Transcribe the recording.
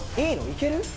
いける？